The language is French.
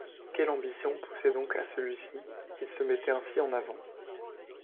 Quelle ambition poussait donc à celui-ci, qu’il se mettait ainsi en avant?